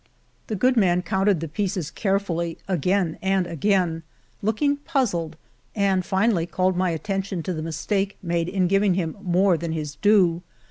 The good man counted the pieces carefully again and again, looked puzzled, and finally called my attention to the mistake made in giving him more than his due.